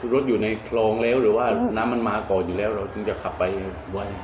รถอยู่ในคลองแล้วหรือว่าน้ำมันมาก่อนอยู่แล้วเราถึงจะขับไปไว